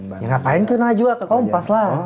ya ngapain ke najwa ke kompas lah